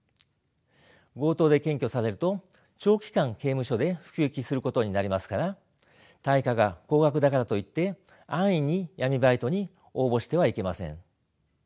強盗で検挙されると長期間刑務所で服役することになりますから対価が高額だからといって安易に闇バイトに応募してはいけません。